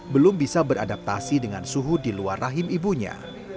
belum bisa beradaptasi dengan suhu di luar rahim ibunya